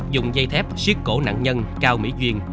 dùng dây thép xiết cổ nạn nhân cao mỹ duyên